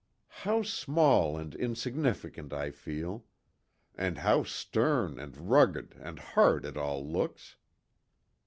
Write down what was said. "How small and insignificant I feel! And how stern, and rugged, and hard it all looks."